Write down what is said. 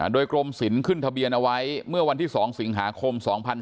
โดยกรมศิลป์ขึ้นทะเบียนเอาไว้เมื่อวันที่๒สิงหาคม๒๔